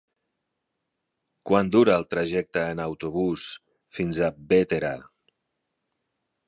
Quant dura el trajecte en autobús fins a Bétera?